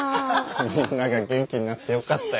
みんなが元気になってよかったよ。